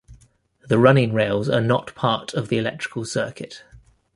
The running rails are not part of the electrical circuit.